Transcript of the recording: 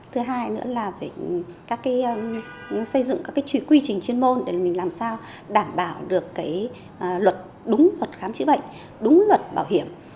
thứ hai nữa là phải xây dựng các quy trình chuyên môn để làm sao đảm bảo được luật đúng luật khám chữa bệnh đúng luật bảo hiểm